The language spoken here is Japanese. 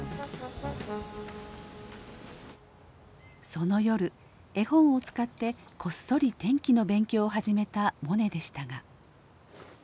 その夜絵本を使ってこっそり天気の勉強を始めたモネでしたが。